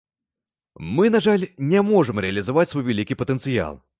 Мы, на жаль, не можам рэалізаваць свой вялікі патэнцыял.